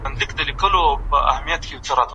ابن کثير رحمه الله پخپل تفسير کي فرمايي.